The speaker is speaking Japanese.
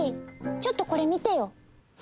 ちょっとこれ見てよ。